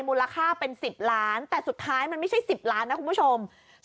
มูลค่าเป็น๑๐ล้านแต่สุดท้ายมันไม่ใช่๑๐ล้านนะคุณผู้ชม